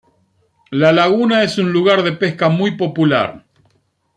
La laguna es un lugar de pesca muy popular.